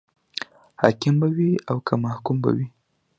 حاکم به وي او که محکوم به وي.